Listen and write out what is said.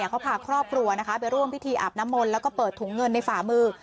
เขาพาครอบครัวไปร่วมพิธีอาบน้ำมนต์แล้วก็เปิดถุงเงินในฝ่ามือ